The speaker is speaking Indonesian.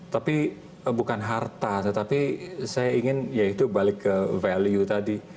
tapi bukan harta tetapi saya ingin ya itu balik ke value tadi